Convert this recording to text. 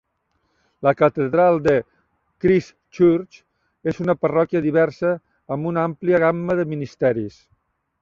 La catedral de Christ Church és una parròquia diversa amb una àmplia gamma de ministeris.